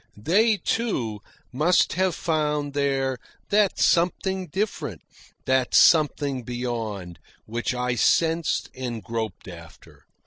They, too, must have found there that something different, that something beyond, which I sensed and groped after.